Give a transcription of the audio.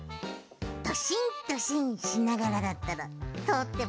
ドシンドシンしながらだったらとおってもいいぞ。